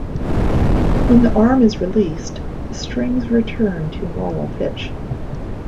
When the arm is released, the strings return to normal pitch.